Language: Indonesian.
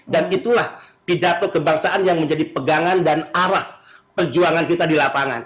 dan itulah pidato kebangsaan yang menjadi pegangan dan arah perjuangan kita di lapangan